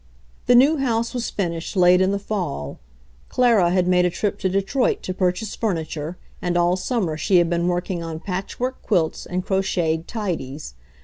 The new house was finished late in the fall. Clara had made a trip to Detroit to purchase fur niture, and all summer she had been working on patchwork quilts and crocheted tidies.